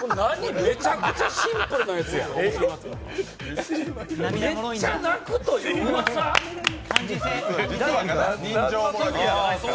めちゃくちゃシンプルなやつやん。